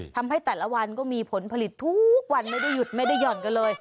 ทำให้แต่ละวันก็มีผลผลิตทุกวันไม่ได้หยุดไม่ได้หย่อนกันเลย